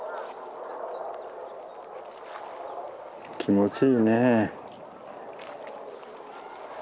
気持ちいいね。